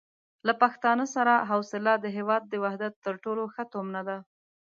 له پښتانه سره حوصله د هېواد د وحدت تر ټولو ښه تومنه ده.